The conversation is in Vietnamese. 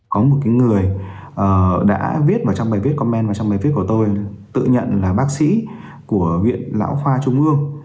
có một người đã viết vào trong bài viết comment của tôi tự nhận là bác sĩ của viện lão khoa trung ương